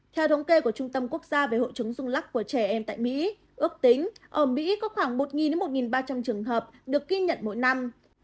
theo thống kê của trung tâm quốc gia về hội chứng rung lắc của trẻ em tại mỹ ước tính ở mỹ có khoảng một một ba trăm linh trường hợp được ghi nhận mỗi năm